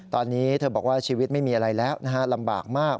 ตอนนี้เธอบอกว่าชีวิตไม่มีอะไรแล้วนะฮะลำบากมาก